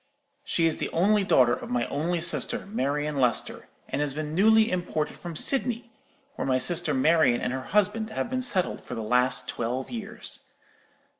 She is the only daughter of my only sister, Marian Lester, and has been newly imported from Sydney, where my sister Marian and her husband have been settled for the last twelve years.